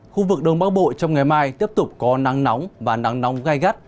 khu vực đông bắc bộ trong ngày mai tiếp tục có nắng nóng và nắng nóng gai gắt